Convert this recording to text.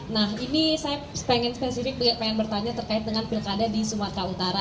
nah ini saya pengen spesifik pengen bertanya terkait dengan pilkada di sumatera utara